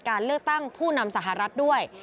การเลือกตั้งผู้นำสหรัฐด้วย